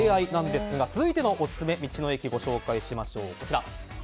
続いての道の駅ご紹介しましょう。